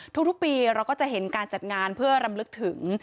ทุกปีเราก็จะเห็นการจัดงานเพื่อรำลึกถึง